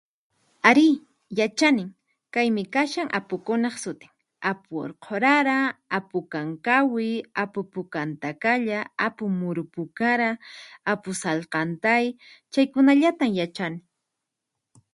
Ari, yachanin. Kaymi kashan apukunaq sutin: Apu Urqurara, Apu Qanqawi, Apu Puka Antakalla, Apu Muru Pukara, Apu Sallkantay chay kunallatan yachani.